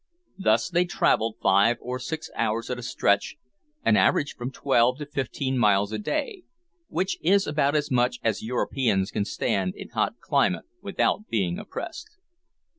Thus they travelled five or six hours at a stretch, and averaged from twelve to fifteen miles a day, which is about as much as Europeans can stand in a hot climate without being oppressed.